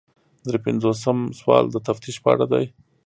درې پنځوسم سوال د تفتیش په اړه دی.